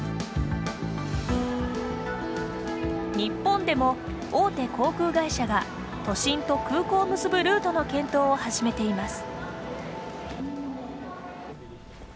日本でも、大手航空会社が都心と空港を結ぶルートの検討を始めています。